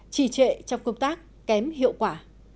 trì trệ trong công tác kém hiệu quả